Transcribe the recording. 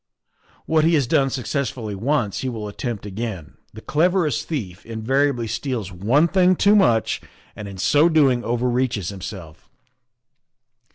" What he has done successfully once he will attempt again; the cleverest thief inva riably steals one thing too much and in so doing over reaches himelf."